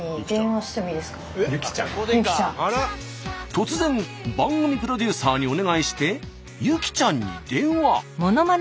突然番組プロデューサーにお願いしてユキちゃんに電話。